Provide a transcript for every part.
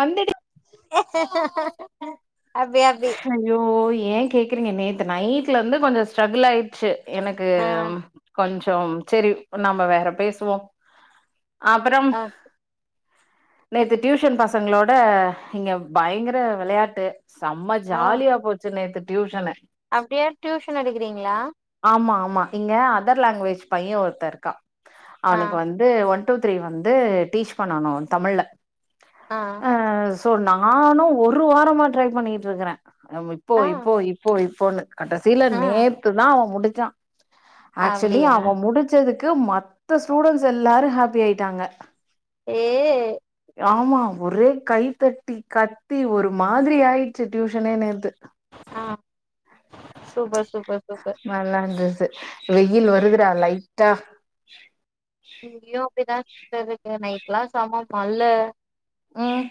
வந்துடு அப்டி அப்டி ஐயோ ஏ கேக்குறீங்க நேத்து நைட்லருந்து கொஞ்ச ஸ்ட்ரகில் ஆயிட்ச்சு எனக்கு ஆ கொஞ்சம் செரி நாம வேற பேசுவோ அப்றம் ஆ நேத்து டியூஷன் பசங்களோட இங்க பயங்கர வெளையாட்டு செம்ம ஜாலியா போச்சு நேத்து டியூஷனு அப்டியே டியூஷன் எடுக்குறீங்ளா ஆமா ஆமா இங்க அதர் லாங்குவேஜ் பைய்யே ஒருத்த இருக்கா ஆ அவனுக்கு வந்து ஒன் டூ த்ரீ வந்து டீச் பண்ணணு தமிழ்ல ஆ சோ நானு ஒரு வாரமா ட்ரை பண்ணிட்ருக்கிறே நாம இப்போ ஆ இப்போ இப்போ இப்போன்னு கட்டசில ஆ நேத்துதா அவ முடிச்சா ஆக்சுலி அப்டியா அவ முடிச்சது க்கு மத்த ஸ்டூடஸ் எல்லாரு ஹேப்பி ஆயிட்டாங்க ஏ ஆமா ஒரே கைத்தட்டி கத்தி ஒரு மாதிரி ஆயிடுச்சு டியூஷனே நேத்து ஆஹ் சுபஸ் நல்லா இருந்துது வெயில் வருதுடா லைட்டா இங்கயு அப்டிதா இருக்கு நைட்ல்லா சம்ம மழை உம்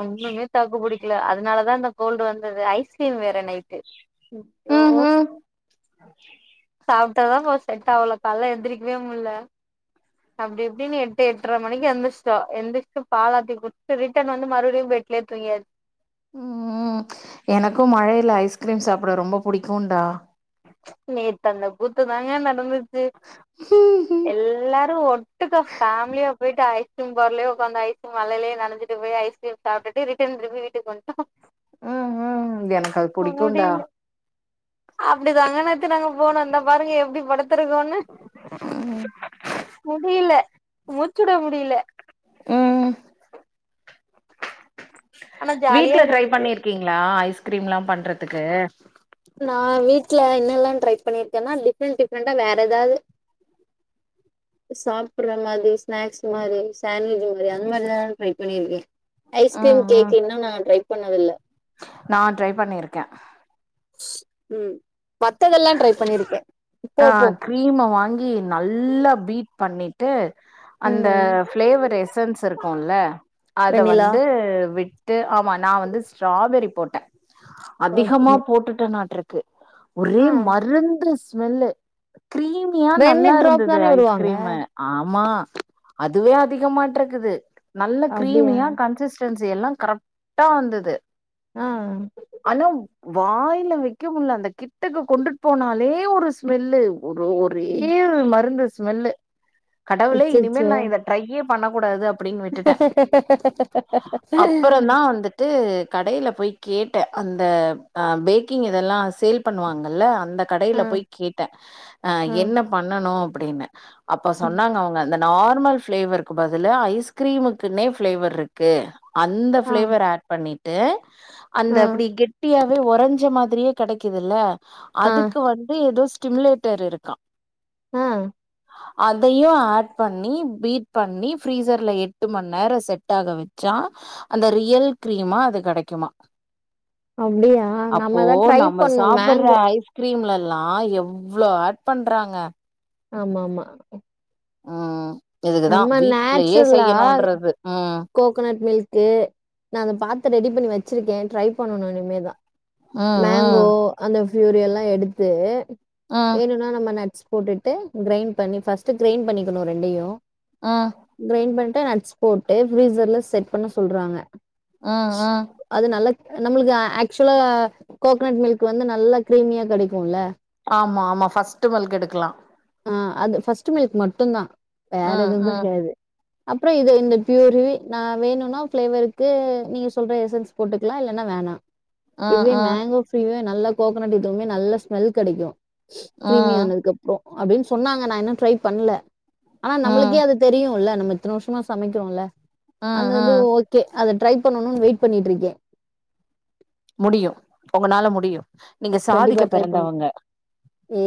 ஒண்ணுமே தாக்கு புடிக்கல அதனாலதா இந்த கோல்டு வந்தது ஐஸ்கிரீம் வேற நைட்டு ம் ஓ [inaudible] சாப்ட்டதா போ செட் ஆவல கால்ல எந்திரிக்கவே முல்ல அப்டி இப்டின்னு எட்டு எட்டர மணிக்கு எந்திரிச்சோ எந்திரிச்சிட்டு பாலாத்தி குத்து ரிட்டன் வந்து மறுபடியு பெட்லே தூங்கியா உம் எனக்கும் மழைல ஐஸ்கிரீம் சாப்ட ரொம்ப புடிக்குன்டா நேத்து அந்த கூத்து தாங்க நடந்து ம் எல்லாரு ஒட்டுக்க ஃபேமிலியா போய்ட்டு ஐஸ்கிரீம் பார்லே உக்காந்து ஐஸ்கிரீம் மழைலே நனசிட்டு போய் ஐஸ்கிரீம் சாப்டுட்டு ரிட்டர்ன் திருப்பி வீட்டுக்கு வன்டோ உம் உம் எனக்கு அது புடிக்கும்ன்டா முடில அப்டிதாங்க நேத்தி நாங்க போனோ இந்த பாருங்க எப்டி படுத் துருக்கோனு முடில முச்சுட முடில உம் ஆனா ஜாலியா வீட்ல ட்ரை இருந்துச்சு பண்ணிருக்கீங்களா ஐஸ்கிரீம் எல்லா பண்றதுக்கு நான் வீட்ல என்னெல்லா ட்ரை பண்ணிருக்கேன்னா டிஃப்ரெண்டட் டிஃப்ரெண்டா வேற எதாது [unintelligible] சாப்பற மாறி ஸ்நாக்ஸ் மாறி சாண்ட்விஜ் மாறி அந்த மாறிதா ட்ரை பண்ணிருக்கே ஐஸ்கிரீம் ம் ம் கேக் இன்னு நா ட்ரை பண்ணது இல்ல நா ட்ரை பண்ணிருக்கே உம் மத்ததெல்லா ட்ரை பண்ணிருக்க ஆஹ் கிரீம வாங்கி நல்லா பீட் பண்ணிட்டு அந்த ம் ஃபிளேவர் எஸ்சன்ஸ் இருக்கும்ல அத வெண்ணிலா வந்து ஆமா நா வந்து ஸ்ட்ராபெரி போட்ட அதிகமா ஓகே போட்டுடனாட்ருக் ஒரே ஆ மருந்து ஸ்மெல்லு கிரீமியா ரெண்டு நல்லா ட்ராப் இருந்தது தானே விடுவாங்க ஐஸ்கிரீமு ஆமா அதுவே அதிகமாட்ருக்குது நல்ல அப்டியா கிரீமியா கன்சஸ் எல்லா கரெக்டா வந்தது ஆ ஆனா வாயில வைக்க முல்ல அந்த கிட்டக்கு கொண்டுட்டு போனாலே ஒரு ஸ்மெல்லு ஒரு ஒரே மருந்து ஸ்மெல்லு கடவுளே இனிமே அச்சச்சோ நா இதை ட்ரையே பண்ணக்கூடாது [inaudible] அப்பறோ தா வந்துட்டு கடைல போய் கேட்ட அந் இந்த பேக்கிங் இதெல்லா சேல் பண்ணுவாங்கல்ல அந்த கடைல ஆ போய் கேட்ட ஆ என்ன பண்ணனு அப்டின்னு அப்ப சொன்னாங்க அவுங்க அந்த நார்மல் ஃப்ளேவருக்கு பதில ஐஸ்கிரீமுக்குன்னே ஃப்ளேவர் இருக்கு அந்த ஆ ஃபிளேவர் ஆட் பண்ணிட்டு ஆ அந்த அப்டி கெட்டியா வே உறஞ்ச மாதிரியே கெடைக்குதுல்ல ஆ அதுக்கு வந்து ஏதோ ஸ்டிமுலேட்டர் இருக்கா அஹ் அதையு ஆட் பண்ணி பீட் பண்ணி ஃப்ரீசர்ல எட்டு மண் நேரோ செட் ஆக வச்சா அந்த ரியல் கிரீமா அது கெடைக்குமா அப்டியா அப்போ நம்ம தா ட்ரை நம்ம பண்ணு சாப்பட்ற மேங்கோ ஐஸ்கிரீம்ல லா எவ்ளோ ஆட் பண்றாங்க ஆமா ஆமா உம் இதுக்குதா நம்ம வீட்லயே நேச்சுரலா செய்யணுன்றது உம் கோகனட் மில்க்கு நா அத பாத்து ரெடி பண்ணி வச்சிருக்கே ட்ரை பண்ணணு இனிமேதா ம் மேங்கோ ம் அந்த ஃப்யூரி எல்லா எடுத்து ம் வேணும்னா நம்ம நட்ஸ் போட்டுட்டு கிரைண்ட் பண்ணி ஃபர்ஸ்ட் கிரைண்ட் பண்ணிக்கணு ரெண்டையு ம் கிரைண்ட் பண் டு நட்ஸ் போட்டு ஃப்ரீசர்ல செட் பண்ண சொல்றாங்க ஆ ஆ அது நல்லா நம்மளுக்கு ஆக்சுவலா கோகனட் மில்க் வந்து நல்லா கிரீமியா கெடைக்கும்ல ஆமா ஆமா ஃபர்ஸ்ட்டு மில் எடுக்கலா ஆ அது ஃபஸ்ட் மில்க் மட்டு தா வேற ம் எதுவு ம் கிடையாது அப்றோ இத இந்த ஃப்யூரி நா வேணும்னா ஃப்ளேவருக்கு நீங்க சொல்ற எசன்ஸ் போட்டுக்கலா இல்லன வேணா ம் இதுவே ம் மேங்கோ ஃப்யூரியே நல்லா கோக்கனட் உத்தவுமே நல்ல ஸ்மெல் கெடைக்கு கிரிமி ம் ஆனதுக்கு அப்றோ அப்டின்னு சொன்னாங்க நா இன்னும் ட்ரை பண்ணல ஆனா ம் நம்மளுக்கே அது தெரியும்ல நம்ம இத்தன வருஷமா சமைக்கிறோம்ல ம் அந்த இது ம் ஓகே அத ட்ரை பண்ணணுன்னு வெயிட் பண்ணட்டு இருக்கே முடியு உங்கனால முடியு நீங்க சாதிக்க பிறந்தவங்க ஏ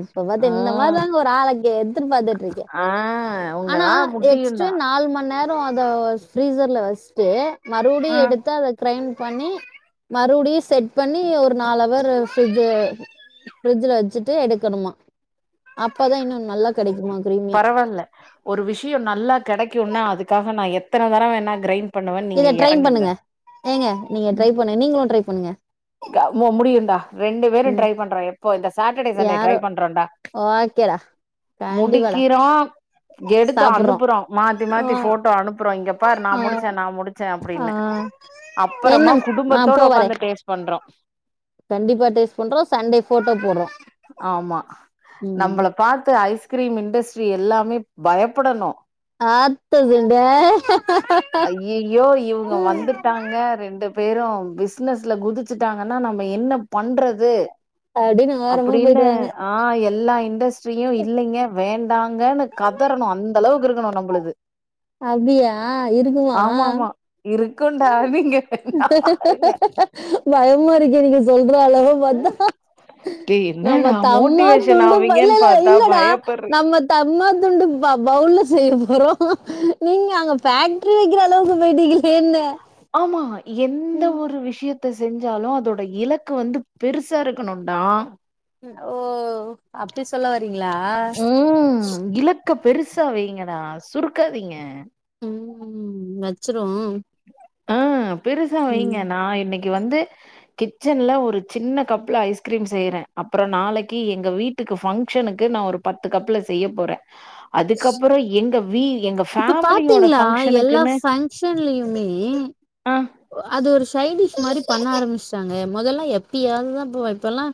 இப்ப பாத்த இந்த ம் மாரிதாங்க ஒரு ஆள க எதிர் பாத்துட்டு இருக்கே ஆ ஆனா உங்கனால நெக்ஸ்ட் முடியும்டா நாலு மணி நேரோ ரோ அத ஃப்ரீசர்ல வஷ்டு மறுபடியு எடுத்து அத கிரைன் பண்ணி மறுபடியு செட் பண்ணி ஒரு நாலவர் ஃப்ரிட்ஜ் ஃப்ரிட்ஜில வெச்சிட்டு எடுக்கணுமா அப்தா இன்னு நல்லா க பரவால்ல ஒரு விஷியோ நல்லா கிடைக்குனா அதுக்காக நா எத் எத்தன தரோ வேண்ணா கிரைண்ட் பண்ணுவேன்னு நீங்க இத ட்ரை எறங்குங்க பண்ணுங்க ஏங்க நீங்க ட்ரை பண்ணுங்க நீங்களு ட்ரை பண்ணுங்க க மோ முடியும் டா ரெண்டு பேரு ம் ட்ரை பண்றோ எப்போ இந்த சாட்டர்டே சண்டே ட்ரை யாரோ பண்றோன்டா ஓகேடா கண்டிப்பாடா முடிக்கிறோ. எடுத்து சாப்புட்றோ அனுப்புறோ மாத்தி ஆ மாத்தி ஃபோட்டோ அனுப்புறோ இங்கப்பாரு நா முடிச்சே நா முடிச்சே அப்டின்னு ஆ என்ன அப்புறமா ஆ குடும்பத்தோட போ வரே ஒக்காந்து டேஸ்ட் பண்றோ கண்டிப்பா டேஸ்ட் பண்றோ சண்டே ஃபோட்டோ போட்றோ ஆமா ம் நம்பள பாத்து ஐஸ்கிரீம் இண்டஸ்ட்ரி எல்லாமே பயப்படணு ஆத்ததுண்ட ஐயையோ இவங்க வந்துட்டாங்க ரெண்டு பேரு பிஸ்னஸ்ல குதிச்சிட்டாங்கன்னா நம்ம என்ன பண்றது அப்டின்னு ஓரமா போயிட்டு அப்டின்னு வாங்க ஆ எ எல்லா இண்டஸ்ட்ரியு இல்லைங்க வேண்டாங்கன்னு கதறணு அந்த அளவுக்கு இருக்கணு நம்மலுது அப்பியா இருக்குமா ருக்குண்டா நீங்கவேன்னா பாருங்க பயமா இருக்கே நீங்க சொல்ற அழக பாத்தா டேய் நம்ம என்னடா தம்மா மோட்டிவேஷன் துண்டு இல்ல ஆவீங்கன்னு இல்ல பாத்தா இல்லடா பயப்படுறே நம்ம தம்மா துண்டு பவ் பவுல்ல செய்ய போறோ நீங்க அங்க ஃபேக்டரி வெக்கிற அளவுக்கு போயிட்டிகளேன்ன ஆமா எந்த ஒரு விஷயத் த செஞ்சாலு அதோட இலக்கு வந்து பெருசா இருக்கணும்டா ஓ அப்டி சொல்ல வரீங்களா க்க பெருசா வெயுங்கடா சுருக்காதீங்க ம் வச்சிருவோ ஆ பெருசா வைங்க நா இன்னைக் கி வந்து கிச்சன்ல ஒரு சின்ன கப்ல ஐஸ்கிரீம் செய்றே அப்றோ நாளைக்கி எங்க வீட்டு ஃபங்க்ஷனுக்கு நா ஒரு பத்து கப்ல செய்ய போறே அதுக்கப்புறோ எங்க வீ எங்க இப்ப ஃபேமிலியோட பாத்தீங்களா எல்லா ஃபங்ஷனுக்குன்னு ஃபங்க்ஷன்லயுமே ஆ அது ஒரு சைடிஷ் மாரி பண்ண ஆரம்பிச்சிட்டாங்க மொதெல்லா எப்பியாதுதா போவே இப்பல்லா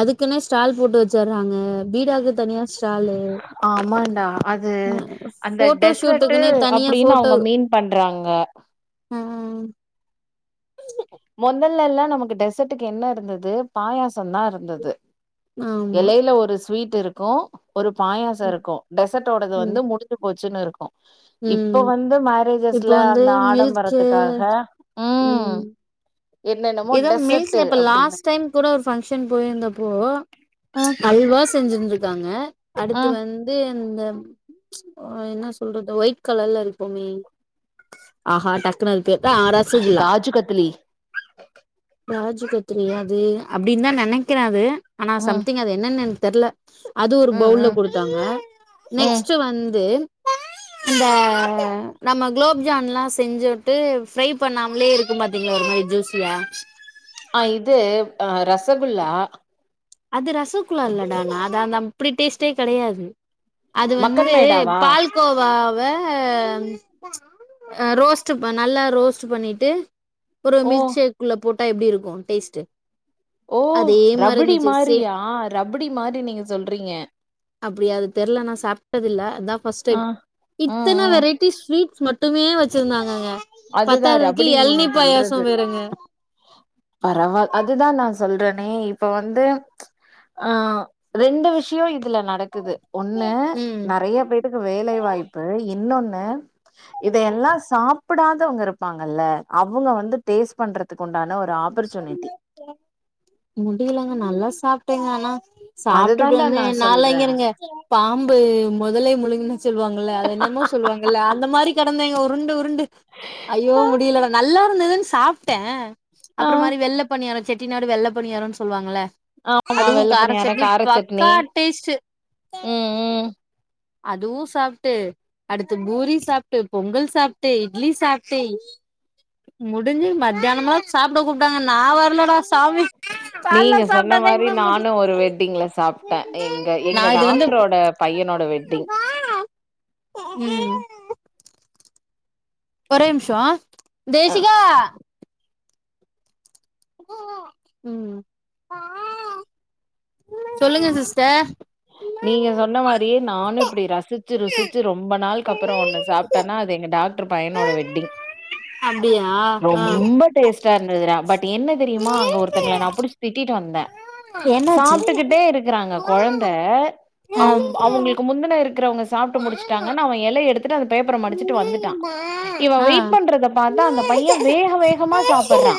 அதுக்குன்னு ஸ்டால் போட்டு வச்சுடுறாங்க பீடாக்கு தனியா ஸ்டாலு ஆமாடா அது அந்த போட்டோ டெசர்ட்டு ஷூட்டுக்குன்னே தனியா அப்டின்னு போட்டோ அவங்க மீன் பண்றாங்க [unintelligible] ம் முதல்லல்லா நமக்கு டெசர்ட்டுக்கு என்ன இருந்தது பாயாசொதா இருந்தது ஆமா. எலையில ஒரு ஸ்வீட் இருக்கு ஒரு பாயாசம் இருக்கு டெசர்ட்டொடது ம், வந்து முடிஞ்சு போச்சுன்னு இருக்கு இப்போ ம். வந்து இப்போ மேரேஜஸ்ல வந்து அந்த மில்க்கு ஆடம்பரத்துக்காக ம் என்னென்னமோ இதா டெசர்ட்டு மீல்ஸ்ல இப்ப அப்டின்னு லாஸ்ட் டைம் கூட ஒரு ஃங்க்ஷன் போயிருந்தப்போ ம் அல்வா செஞ்சிருந்திருக்காங்க அடுத்து ம் வந்து இந்த என்ன சொல்றது ஒயிட் கலர்ல இருக்குமே ஆஹா டக்குனு அத கேட்டா ஆடா சையா காஜு கத்திலி காஜு கத்திலியா அது அப்டின்னு தா நெனைக்கிற அது ஆனா ம் சம்திங் அது என்னன்னு எனக்கு தெரில அது ஒரு ம் பவுல்ல ம் கொடுத்தாங்க ம் நெக்ஸ்ட் வந்து [inaudible] இந்த நம்ம குலோப் ஜாம்லா செஞ்சுட்டு ஃப்ரை பண்ணாமலே இருக்கு பாத்தீங்கள ஒரு மாரி ஜூஸ் சியா அ இது அ ரசகுல்லா அது ரசகுலா இல்லடா நா தா அந்த அப்டி டேஸ்ட்டே கெடையாது அது மக்கன் வந்து மேடாவா பால்கோவா வா அ ரோஸ்ட் ப நல்லா ரோஸ்ட் பண்ணிட்டு ஒரு ஓ மில்க் ஷேக்குள்ள போட்டா எப்டி இருக்கு டேஸ்ட்டு ஓ அதே மாரி ரப்டி இருந்துச்சு சேம் மாறியா ரப்டி மாறி நீங்க சொல்றீங்க அப்டியா அது தெர்ல நா சாப்ட்டதில்ல அதா ஃபஸ்ட் ஆ டைம் ம் இத்தன ம் வெரைட்டிஸ் ஸ்வீட் ஸ் மட்டுமே வச்சிருந்தாங்கங்க அதுதா பத்தாததுக்கு ரபடி நீங்க எளநீ பாயாச சொல்றது வேறங்க பரவால் அதுதா நா சொல்றேன் னே இப்ப வந்து ஆ ரெண்டு விஷியொ இதுல நடக் குது ஒன்னு ம் நெறைய பேருக்கு வேலை வாய்ப்பு இன்னொன்னு இதையெல்லா சாப் புடாதவங்க இருப்பாங்கல்ல அவங்க வந்து டேஸ்ட் பண்றதுக்கு உண்டான ஒரு ஆப்பர்ச்சுனிட்டி முடியலங்க நல்லா சாப்ட்டேங்க ஆனா சாப்ட்டுட்டு அதுதான்டா வந்து நா என்னால சொல்றே இங்க இருங்க பாம்பு முதலைய முழுங்குன சொல்வாங்களல்ல அது என்னமோ சொல்வாங்கல்ல அந்த மாரி க டந்திங்க உருண்டு உருண்டு ஐயோ முடியலவ நல்லா இருந்ததுன் சாப்ட்டே ஆ அப்புறோ மாரி வெள்ள பணியாரொ செட்டிநாடு வெள்ள பணியாரோனு சொல்லுவாங்களே ஆமா அதுவு வெள்ள கார பணியாரோ சட்னி கார சட்னி பக்கா டேஸ்ட்டு ம் ம் அதுவு சாப்ட்டு அடுத்து பூரி சாப்ட்டு பொங்கல் சாப்ட்டு இட்லி சாப்ட்டு முடிஞ்சு மத்தியானமா சாப்பிட கூப்ட்டாங்க நா வரலடாச் நீங்க சொன்ன மாரி முடி நானு ஒரு வெட்டிங்ல சாப்ட்டே எங்க நா எங்க இது வந்து டோக்ட்ரு ரோட பையனோட வெட்டிங் ம் ஒரே நிமிஷோ அ ம் சொல்லுங்க சிஸ்டர் நீங்க சொன்ன மாரியே நானு இப்டி ரசிச்சு ருசிச்சு ரொம்ப நாள்கு அப் புறோ ஒண்ணு சாப்ட்டேனா அது எங்க டாக்டர் பையனோட வெட்டிங் அப்டியா ஆ ரொம்ப டேஸ்ட்டா இருந்ததுரா பட் என்ன தெரியுமா அங்க ஒருத்தங்கள நா புடிச் திட்டிட்டு வந் தே என்னாச்சு சாப்ட்டுக்கிட்டே இருக்கிறாங்க கொழந்த ஆ அவ் அவங்களுக்கு முந்தின இரு க்குறவங்க சாப்ட்டு முடிச்சுட்டாங்கன்னு அவ எல எடுத்துட்டு அந்த பேப்பர மடிச்சிட்டு வந்துட்டா இவ ஆ வெயிட் பண்றத பாத்து அந்த பைய வேக வேகமா சாப்புட்றா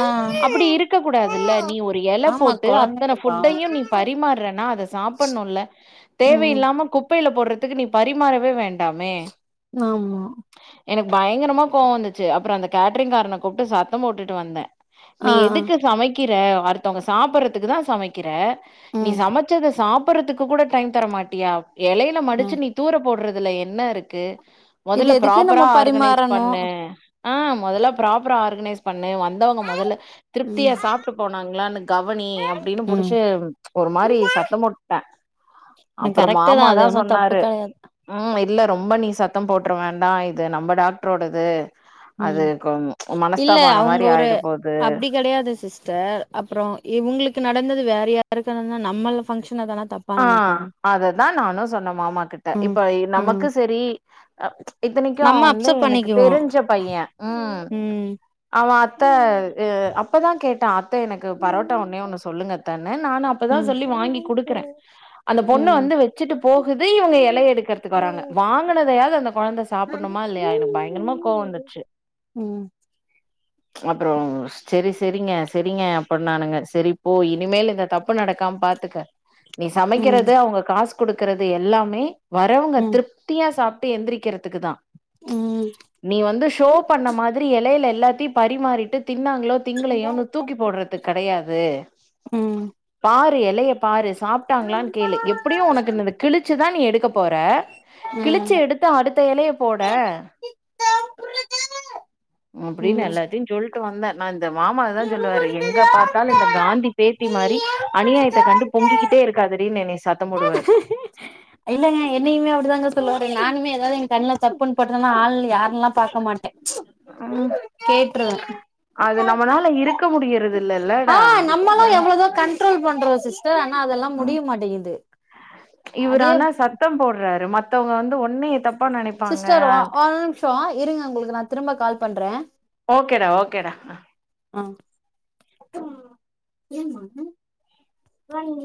ஆ அப்டி இருக்க கூடாதுல்ல நீ ஒரு எல ஆமா போட்டு அத்தன கொழந்தைங்க பாவோ ஃபுட்டையு நீ பரிமாற்றே அத சாப்புட்ணுல்ல ம் தேவயில்லாம குப்பையில போடுறதுக்கு நீ பரிமாறவே வேண்டாமே ஆமா எனக்கு பயங்கரமா கோவோ வந்துச்சு அப்புறோ அந்த கேட்ரிங் காரன கூப்ட்டு சத்த போட்டுட்டு வந்தே நீ ஆ ஆ எதுக்கு சமைக்கிற அடுத்தவுங்க சாப்புறதுக்கு தா சமைக்கிற நீ ம் சமச் சாப்புறதுக்கு கூட டைம் தர மாட்டியா எலையில ம் மடிச்சு நீ தூர போடுறதுல என்ன இருக்கு இது மொதல்ல எதுக்கு நம்ம ப்ராப்பரா ஆர்கனைஸ் பரிமாறணு பண்ணு ஆ மொதல்ல ப்ராப்பரா ஆர்கனைஸ் பண் ன்னு வந்தவங்க மொதல்ல திருப்தியா ம் சாப்ட்டு போனாங்களானு கவனி அப்டின்னு புடிச்சு ம் ஒரு மாரி சத் த அப்பறோ கரெக்ட்டு மாமா அது தா ஒன்னு தப்பு சொன்னாரு கெடையாது ம் இல்ல ரொம்ப நீ சத்தம் போட்டு அப்றோ வேண்டா இது நம்ம டாக்ரோடது ம் இல்ல ஆன அவுங்க மாரி ஒரு ஆயிட போது அப்டி கெடையாது சிஸ்டர் அப்றோ இவுங்களுக்கு நடந்தது வேற யாருக்காருந்தா நம்மள பங்க்ஷன் ஆ அதுதா நானு சொன்னே மாமா கிட்ட ம் இப்ப ம் நமக்கு செரி அ இத்தனைக்கு நம்ம அவன் வந்து அப்செட் எனக்கு பண்ணிக்குவோ தெருஞ்ச பையே ம் ம் அவெ அத்த எ அப்பதா கேட்டு டா அத்த எனக்கு பரோட்டா ஒன்னே ஒண்ணு சொல்லுங்கத்தேன்னு நானூ அப்பதா ம் சொல்லி வாங்கி குடுக்குறே அந்த பொண்ணு ம் வந்து வச்சுட்டு போகுது இவுங்க எலைய எடுக்குறதுக்கு வராங்க வாங்குனதையாது அந்த கொழந்த சாப் சாப்டணுமா இல்லையா எனக்கு பயங்கரமா கோவோ வந்துடுச்சு ம் அப்றோ செரி செரிங்க செரிங்க அப்டின்னானுங்க செரி போ இனிமேல் இந்த தப்பு ப்பு நடக்காம பாத்துக்க நீ ம் சமைக்கிறது அவுங்க காசு குடுக்குறது எல்லாமே வரவுங்க ம் திருப்தியா சாப்ட்டு எந்திரிக்கிறதுக்கு தா ம் நீ வந்து ஷோ பண்ண மாதிரி எலையில எல்லாத்தையு பரிமாறிட்டு தின்னாங்களோ திங்களையோனு தூக்கி போட்றது கெடையாது ம் எலைய பாரு சா டாங்களானு கேளு எப்டியு உனக்கு இந்த ந்த கிழிச்சு தா நீ எடுக்க போற கிளிச்சு ம் எடுத்து அடுத்த எலைய ய போடே அப்டின்னு ம் எல்லாத்தையு சொல்ட் வந்தே நா இந்த மாமாதா சொல்லுவாரு எங்க பாத்தாலு இந்த காந்தி பேத் தி மாரி அநியாயத்த கண்டு பொங்கிக்கிட்டே இருக்காதடின்னு என்னய சத்தோ போடுவாரு இல்லங்க என்னையுமே அப்டிதாங்க சொல்லுவாரு நானுமே எதாவது எங்க கண்ணுல தப்புன்னு படுதுனா ஆள் யாருனுல்லா பாக்க மாட்டே ம் கேட்ருவே அது நம்மனால இருக்க முடியுறது ஆ நம்மளு எவ்ளோதோ கண்ட்ரோல் பண்ற சிஸ்டர் ஆனா அதெல்லா ம் முடிய மாட்டேங்குது அதே மத்தவுங்க வந்து ஒன்னைய தப் சிஸ்டர் வா ஒரு நிம்ஷோ இருங்க உங்களுக்கு நா திரும்ப கால் பண்றே ஓகேடா ஓகேடா ஆ